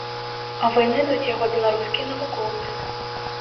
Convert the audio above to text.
А вынайдуць яго беларускія навукоўцы.